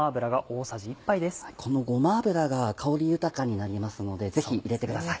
このごま油が香り豊かになりますのでぜひ入れてください。